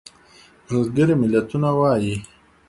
ملګري ملتونه وایي.